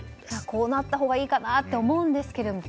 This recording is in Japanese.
こうなったほうがいいかなと思うんですけれども。